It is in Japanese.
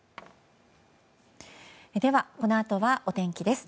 では、このあとはお天気です。